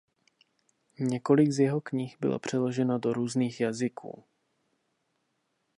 Několik z jeho knih bylo přeloženo do různých jazyků.